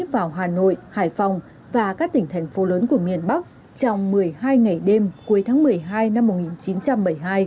vào hà nội hải phòng và các tỉnh thành phố lớn của miền bắc trong một mươi hai ngày đêm cuối tháng một mươi hai năm một nghìn chín trăm bảy mươi hai